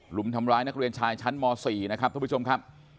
ุมทำร้ายนักเรียนชายชั้นม๔นะครับท่านผู้ชมครับ